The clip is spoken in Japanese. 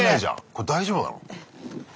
これ大丈夫なの？